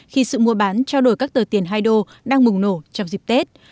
khi sự mua bán trao đổi các tờ tiền hai đô đang bùng nổ trong dịp tết